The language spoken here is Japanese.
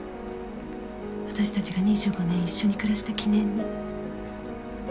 私たちが２５年一緒に暮らした記念に。